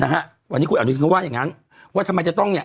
นะฮะวันนี้คุณอนุทินเขาว่าอย่างงั้นว่าทำไมจะต้องเนี่ย